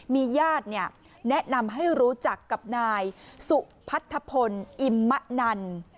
มีญาติแนะนำให้รู้จักกับนายสุพัทธพลอิมมะนัน